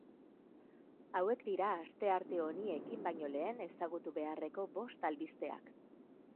Hauek dira astearte honi ekin baino lehen ezagutu beharreko bost albisteak.